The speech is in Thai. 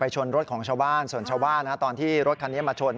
ชนรถของชาวบ้านส่วนชาวบ้านตอนที่รถคันนี้มาชน